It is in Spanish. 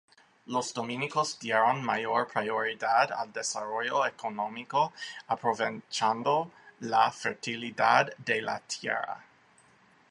Los dominicos dieron mayor prioridad al desarrollo económico, aprovechando la fertilidad de la tierra.